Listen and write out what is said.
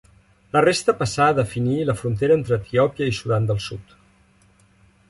La resta passà a definir la frontera entre Etiòpia i Sudan del Sud.